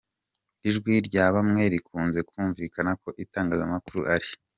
Ijwi rya bamwe rikunze kumvikana ko itangazamakuru ari